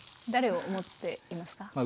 誰を思っていますか？